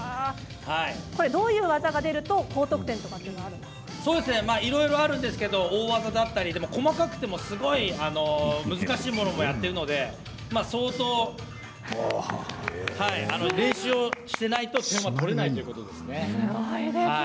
どういう技が出ると大技だったり細かくてもすごく難しいものをやっているので相当練習をしていないと点が取れないということです。